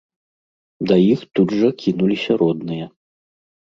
Да іх тут жа кінуліся родныя.